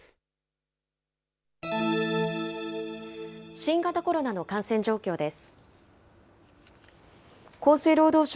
新型コロナの感染状況です。